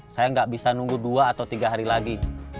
saya nggak bisa nunggu dua atau tiga hari lagi